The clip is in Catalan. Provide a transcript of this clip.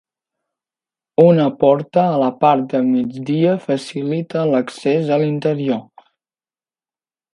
Una porta a la part de migdia facilita l'accés a l'interior.